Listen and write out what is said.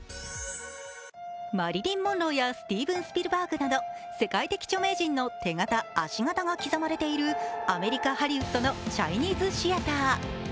マリリン・モンローやスティーヴン・スピルバーグなど世界的著名人の手形・足形が刻まれているアメリカ・ハリウッドのチャイニーズ・シアター